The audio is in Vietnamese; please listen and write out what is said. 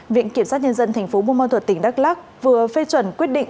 viện kiểm sát nhân dân thành phố buôn mon thuật tỉnh đắk lắk vừa phê chuẩn quyết định